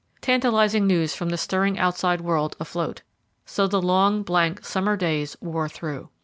Tantalizing news from the stirring outside world afloat. So the long, blank, summer days wore through.